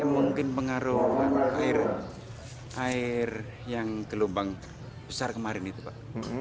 mungkin pengaruh air yang gelombang besar kemarin itu pak